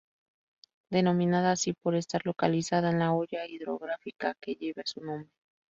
Denominada así por estar localizada en la hoya hidrográfica que lleva su nombre.